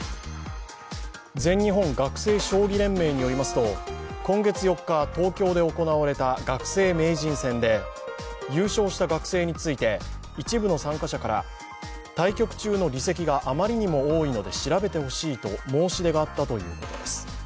全日本学生将棋連盟によりますと今月４日、東京で行われた学生名人戦で、優勝した学生について一部の参加者から対局中の離席があまりにも多いので調べてほしいと申し出があったということです。